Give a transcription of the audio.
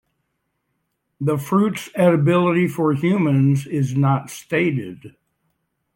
The fruits edibility for humans is not stated.